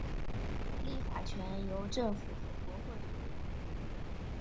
立法权由政府和国会所有。